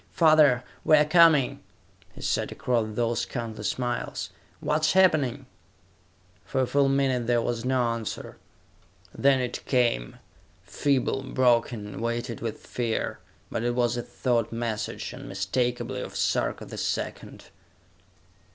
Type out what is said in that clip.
"Father, we are coming!" he said, across those countless miles. "What is happening?" For a full minute there was no answer. Then it came, feeble, broken, weighted with fear; but it was a thought message, unmistakably, of Sarka the Second.